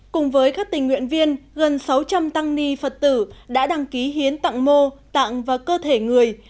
cùng với các tình nguyện viên gần sáu trăm linh tăng ni phật tử đã đăng ký hiến tặng mô tặng và cơ thể người